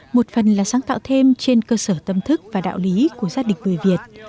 một phần là sáng tạo thêm trên cơ sở tâm thức và đạo lý của gia đình người việt